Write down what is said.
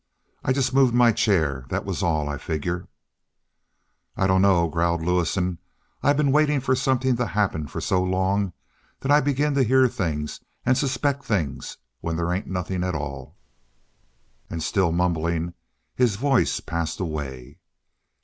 I just moved my chair; that was all, I figure." "I dunno," growled Lewison. "I been waiting for something to happen for so long that I begin to hear things and suspect things where they ain't nothing at all." And, still mumbling, his voice passed away.